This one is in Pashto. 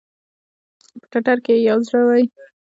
په ټټر کې ئې یو زړه وی